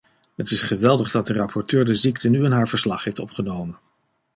Het is geweldig dat de rapporteur de ziekte nu in haar verslag heeft opgenomen.